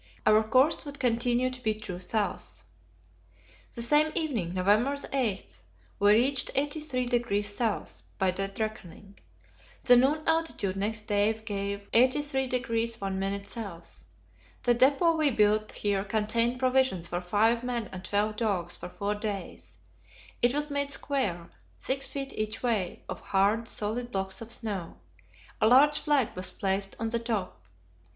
Our course would continue to be true south. The same evening November 8 we reached 83° S. by dead reckoning. The noon altitude next day gave 83° 1' S. The depot we built here contained provisions for five men and twelve dogs for four days; it was made square 6 feet each way of hard, solid blocks of snow. A large flag was placed on the top.